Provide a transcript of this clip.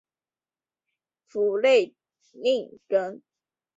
弗勒宁根。